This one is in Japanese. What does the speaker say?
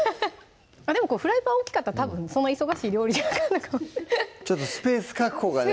でもフライパン大きかったらたぶんそんな忙しい料理じゃなかったかもちょっとスペース確保がね